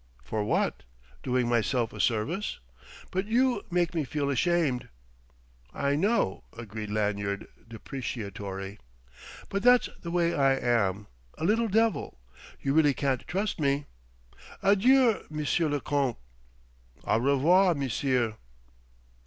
"For what? Doing myself a service? But you make me feel ashamed!" "I know," agreed Lanyard, depreciatory; "but that's the way I am a little devil you really can't trust me! Adieu, Monsieur le Comte." "Au revoir, monsieur!"